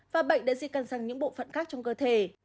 và bệnh đã di căn sang những bộ phận khác trong cơ thể